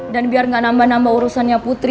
dan biar gak nambah nambah urusannya putri